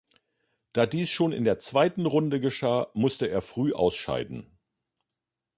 Da dies schon in der zweiten Runde geschah, musste er früh ausscheiden.